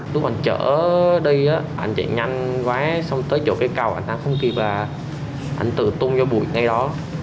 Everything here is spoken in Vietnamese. lúc anh chở đi anh chạy nhanh quá xong tới chỗ cái cầu anh không kịp là anh tự tung vô bụi ngay đó